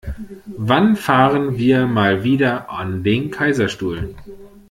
Wann fahren wir mal wieder an den Kaiserstuhl?